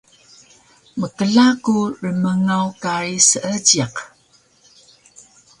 Mkla ku rmngaw kari Seejiq